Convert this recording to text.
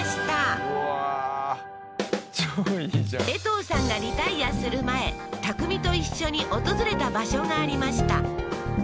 えとうさんがリタイアする前匠と一緒に訪れた場所がありました